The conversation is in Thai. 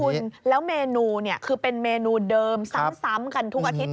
คุณแล้วเมนูเนี่ยคือเป็นเมนูเดิมซ้ำกันทุกอาทิตย